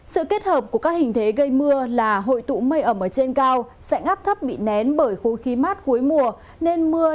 sự kết hợp của các hình thế gây mưa là hội tụ mây ẩm ở trên cao dạnh áp thấp bị nén bởi khu khí mát cuối mùa